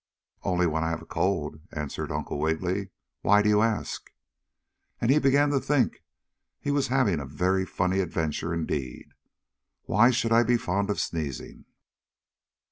"Only when I have a cold," answered Uncle Wiggily. "Why do you ask?" and he began to think he was having a very funny adventure indeed. "Why should I be fond of sneezing?"